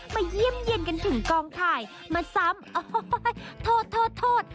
มาเยี่ยมเยี่ยมกันถึงกองถ่ายมาซ้ำโอ้โฮโทษโทษโทษ